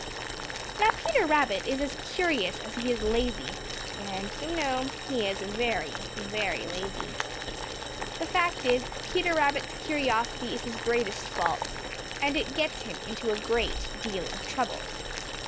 Now Peter Rabbit is as curious as he is lazy, and you know he is very, very lazy. The fact is, Peter Rabbit's curiosity is his greatest fault, and it gets him into a great deal of trouble.